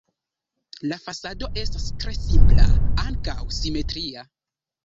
La fasado estas tre simpla, ankaŭ simetria.